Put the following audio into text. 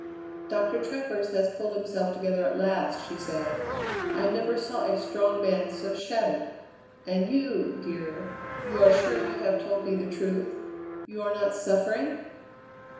"Doctor Travers has pulled himself together at last," she said. "I never saw a strong man so shattered. And you, dear, you are sure you have told me the truth you are not suffering?"